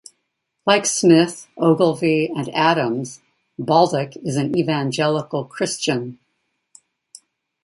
Like Smith, Ogilvy and Adams, Baldock is an evangelical Christian.